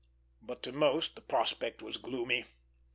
But to most the prospect was gloomy.